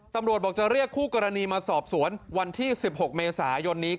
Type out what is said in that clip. ตำรวจบอกจะเรียกคู่กรณีมาสอบสวนวันที่๑๖เมษายนนี้